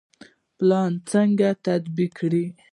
پلان څنګه تطبیق کړو؟